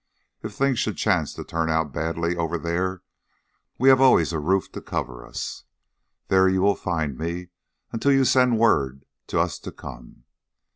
If things should chance to turn out badly over there, we have always a roof to cover us. There you will find me until you send word to us to come."